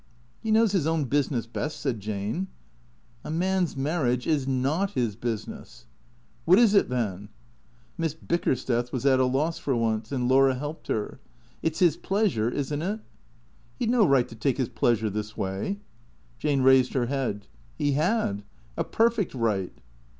" He knows his own business best," said Jane. " A man's marriage is not his business." ''What is it, then?" Miss Bickersteth was at a loss for once, and Laura helped her. " It 's his pleasure, is n't it ?"" He 'd no right to take his pleasure this way." Jane raised her head. " He had. A perfect right."